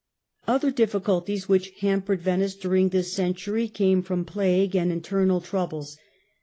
Other difficulties which hampered Venice during this century came from plague and internal troubles.